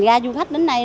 thành ra du khách đến đây